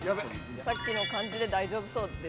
さっきの感じで大丈夫そうです。